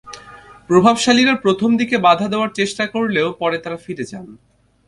প্রভাবশালীরা প্রথম দিকে বাধা দেওয়ার চেষ্টা করলেও পরে তাঁরা ফিরে যান।